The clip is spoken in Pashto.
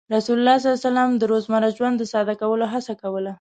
رسول الله صلى الله عليه وسلم د روزمره ژوند د ساده کولو هڅه کوله.